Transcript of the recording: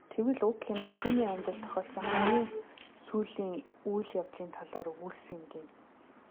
Тэгвэл уг кино түүний амьдралд тохиолдсон хамгийн сүүлийн үйл явдлын талаар өгүүлсэн гэнэ.